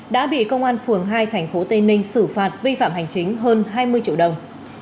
đã bị công an phường hai tp tây ninh xử phạt vi phạm hành chính hơn hai mươi triệu đồng